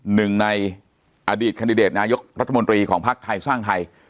หนึ่งในอดีตแคนดิเดตนายกรัฐมนตรีของภักดิ์ไทยสร้างไทย